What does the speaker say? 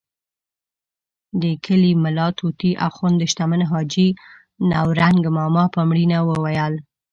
د کلي ملا طوطي اخند د شتمن حاجي نورنګ ماما په مړینه وویل.